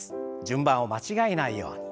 順番を間違えないように。